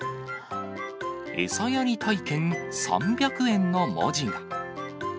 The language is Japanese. エサやり体験３００円の文字が。